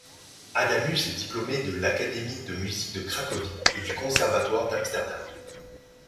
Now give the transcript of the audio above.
Adamus est diplômé de l'Académie de musique de Cracovie et du Conservatoire d'Amsterdam.